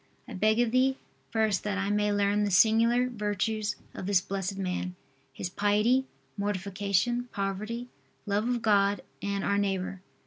I beg of Thee, first, that I may learn the singular virtues of this blessed man his piety, mortification, poverty, love of God and our neighbor.